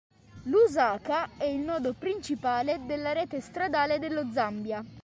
Lusaka è il nodo principale della rete stradale dello Zambia.